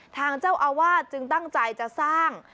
ทางเจ้าอาวาสจึงตั้งใจจะสร้าง